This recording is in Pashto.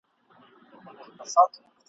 د زلفو عطر دي د خیال له شبستانه نه ځي ..